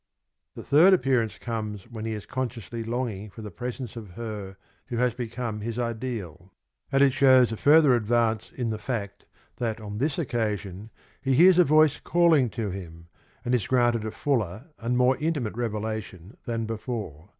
The third appearance comes when he is consciously longing for the presence of her who has become his ideal, 20 and it shows a further advance in the fact that on this occasion he hears a voice calHng to him, and is granted a fuller and more intimate revelation than before.